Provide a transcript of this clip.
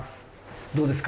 どうですか？